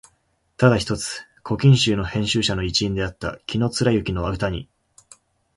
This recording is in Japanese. ただ一つ「古今集」の編集者の一員であった紀貫之の歌に、